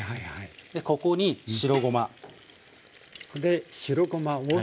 でここに白ごま。